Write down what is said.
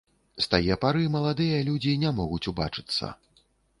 З тае пары маладыя людзі не могуць убачыцца.